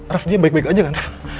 raff dia baik baik aja kan